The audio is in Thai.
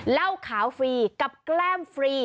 เหล้าขาวฟรีกับแกล้มฟรี